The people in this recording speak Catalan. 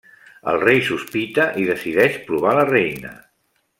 El rei sospita i decideix provar la reïna.